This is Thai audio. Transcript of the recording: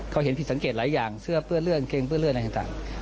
เขาเห็นผิดสังเกตหลายอย่างเสื้อเปื้อนเลือดเกงเปื้อนเลือดอะไรต่าง